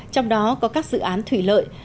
trong đó có các dự án thủy lợi